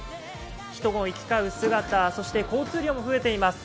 人の行き交う姿、そして、交通量も増えています。